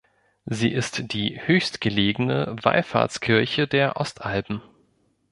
Sie ist die höchstgelegene Wallfahrtskirche der Ostalpen.